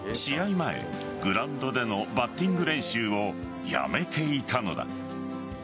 前、グラウンドでのバッティング練習をやめていたのだ。